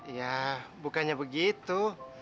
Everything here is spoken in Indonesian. ya bukannya begitu